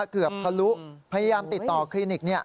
เกือบทะลุพยายามติดต่อคลินิกนี่